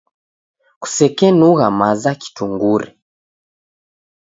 Kusekenugha maza kitungure.